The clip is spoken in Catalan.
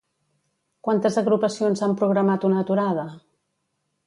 Quantes agrupacions han programat una aturada?